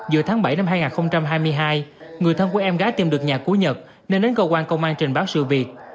giữa tháng bảy năm hai nghìn hai mươi hai người thân của em gái tìm được nhà của nhật nên đến cơ quan công an trình báo sự việc